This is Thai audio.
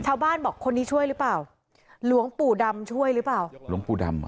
ชาวบ้านบอกคนนี้ช่วยหรือเปล่าหลวงปู่ดำช่วยหรือเปล่าหลวงปู่ดำเห